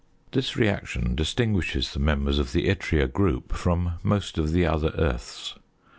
This reaction distinguishes the members of the yttria group from most of the other earths.